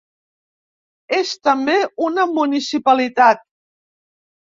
És també una municipalitat.